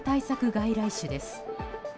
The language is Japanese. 外来種です。